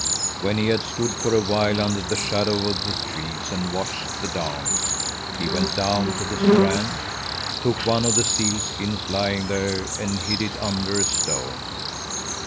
"When he had stood for a while under the shadow of the trees and watched the dance, he went down to the strand, took one of the seal skins lying there, and hid it under a stone.